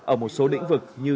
ở một số lĩnh vực như